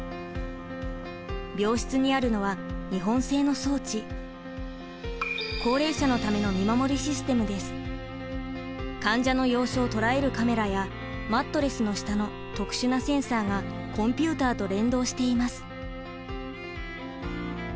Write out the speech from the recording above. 病室にあるのは日本製の装置高齢者のための患者の様子を捉えるカメラやマットレスの下の特殊なセンサーがコンピューターと連動しています。